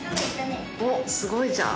おっすごいじゃん。